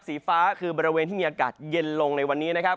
สีฟ้าคือบริเวณที่มีอากาศเย็นลงในวันนี้นะครับ